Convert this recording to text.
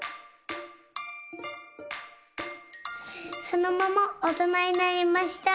そのままおとなになりました。